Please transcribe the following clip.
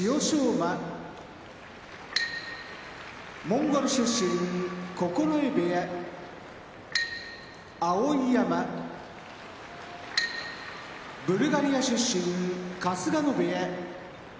馬モンゴル出身九重部屋碧山ブルガリア出身春日野部屋